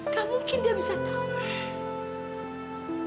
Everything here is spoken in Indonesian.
gak mungkin dia bisa tahu